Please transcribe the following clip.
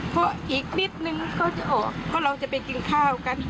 เพราะอีกนิดนึงเขาจะออกเพราะเราจะไปกินข้าวกัน